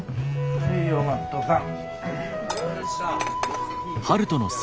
はいお待っとうさん。